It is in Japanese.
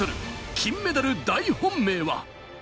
金メダル大本命は。